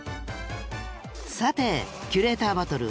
さてキュレーターバトル